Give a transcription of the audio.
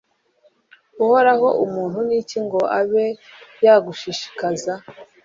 uhoraho, umuntu ni iki ngo abe yagushishikaza